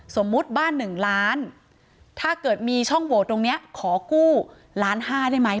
สมมุติบ้าน๑ล้านถ้าเกิดมีช่องโหวตตรงนี้ขอกู้ล้านห้าได้ไหม